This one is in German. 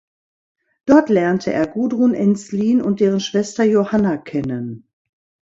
Dort lernte er Gudrun Ensslin und deren Schwester Johanna kennen.